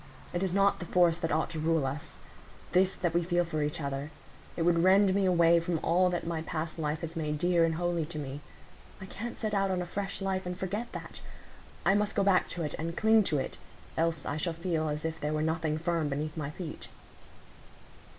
It is not the force that ought to rule us,—this that we feel for each other; it would rend me away from all that my past life has made dear and holy to me. I can't set out on a fresh life, and forget that; I must go back to it, and cling to it, else I shall feel as if there were nothing firm beneath my feet."